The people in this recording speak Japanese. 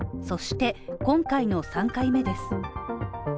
そして今回の３回目です。